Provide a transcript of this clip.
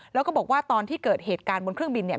แล้วก็บอกว่าตอนที่เกิดเหตุการณ์บนเครื่องบินเนี่ย